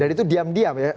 dan itu diam diam ya